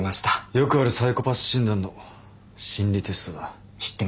よくあるサイコパス診断の心理テストだ。